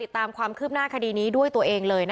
ไปติดตามความคืบหน้าคดีนี้ด้วยตัวเองเลยนะคะ